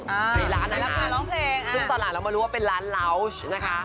ไปร้านร้านไปร้องเพลงซึ่งตอนหลังเรามารู้ว่าเป็นร้านราวช์นะคะ